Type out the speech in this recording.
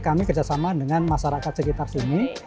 kami kerjasama dengan masyarakat sekitar sini